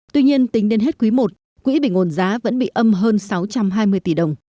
tuy nhiên tính đến hết quý i quỹ bình ổn giá vẫn bị âm hơn sáu trăm hai mươi tỷ đồng